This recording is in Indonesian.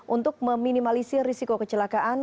untuk meminimalisir risiko kecelakaan